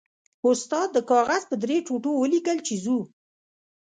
استاد د کاغذ په درې ټوټو ولیکل چې ځو.